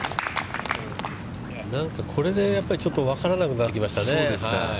何か、これでちょっと分からなくなってきましたね。